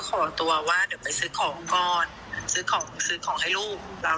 ขอตัวว่าเดี๋ยวไปซื้อของก่อนซื้อของซื้อของให้ลูกเรา